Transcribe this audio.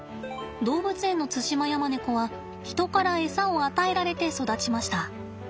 動物園のツシマヤマネコは人からエサを与えられて育ちました。